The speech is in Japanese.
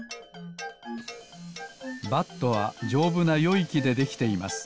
バットはじょうぶなよいきでできています。